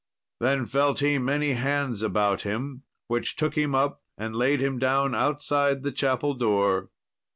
Then felt he many hands about him, which took him up and laid him down outside the chapel door.